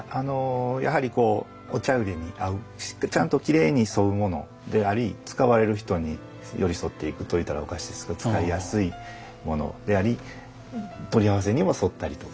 やはりこうお茶入に合うちゃんときれいに添うものであり使われる人に寄り添っていくと言ったらおかしいですけど使いやすいものであり取り合わせにも添ったりとか。